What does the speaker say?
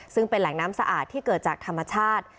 ซึ่งเป็นแหล่งน้ำสะอาดที่เกิดจากธรรมชาติ